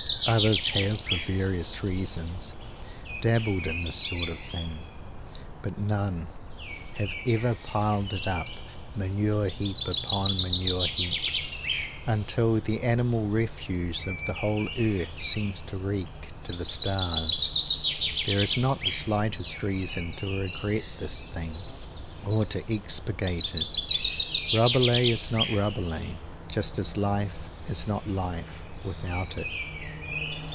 Others have, for various reasons, dabbled in this sort of thing but none have ever piled it up manure heap upon manure heap, until the animal refuse of the whole earth seems to reek to the stars! There is not the slightest reason to regret this thing or to expurgate it. Rabelais is not Rabelais, just as life is not life, without it.